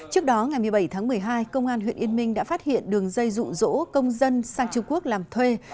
trước đó ngày một mươi bảy tháng một mươi hai công an huyện yên minh đã phát hiện đường dây rụ rỗ công dân sang trung quốc làm thuê